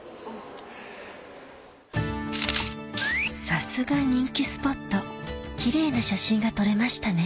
さすが人気スポット奇麗な写真が撮れましたね